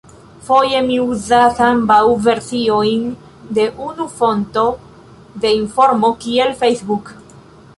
Foje mi uzas ambaŭ versiojn de unu fonto de informo, kiel Facebook.